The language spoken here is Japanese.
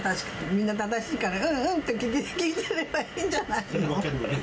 みんな正しいから、うんうんって聞いてればいいんじゃないの。